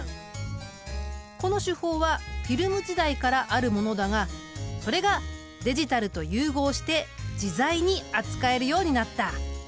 この手法はフィルム時代からあるものだがそれがデジタルと融合して自在に扱えるようになった。